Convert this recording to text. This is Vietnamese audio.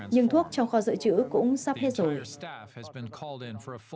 nhưng thuốc trong kho dự trữ cũng sắp hết rồi